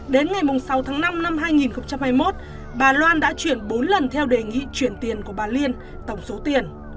đến ngày sáu tháng năm năm hai nghìn hai mươi một bà loan đã chuyển bốn lần theo đề nghị chuyển tiền của bà liên tổng số tiền